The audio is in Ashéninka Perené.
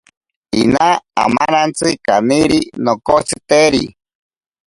Ina amanantsi kaniri nokotsiteri.